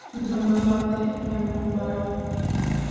ধন্যবাদ, এম্বার।